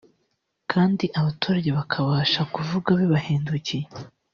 kandi abaturage bakabasha kuvuga bibahendukiye